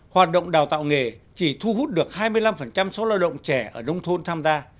hoạt động đào tạo nghề chỉ thu hút được hai mươi năm số lao động trẻ ở nông thôn tham gia